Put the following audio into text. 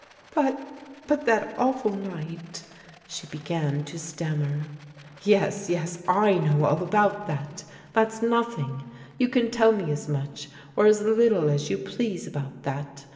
Kut — but that awful night," she hegBn to stammer. " Yes, )TS, I know all about that. That's nothing. You can tell me as much, or as little as you please about that.